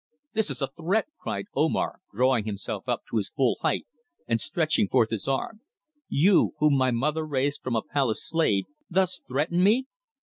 "This is a threat!" cried Omar, drawing himself up to his full height and stretching forth his arm. "You, whom my mother raised from a palace slave, thus threaten me!